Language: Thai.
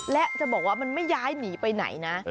และจะบอกว่ามันไม่ย้ายหนีไปไหนนะ